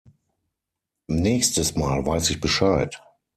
Nächstes Mal weiß ich Bescheid.